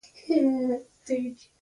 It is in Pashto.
نقوله ده: اختر پټ مېړه نه دی چې تېر شي.